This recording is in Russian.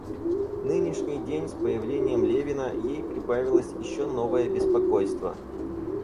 Нынешний день, с появлением Левина, ей прибавилось еще новое беспокойство.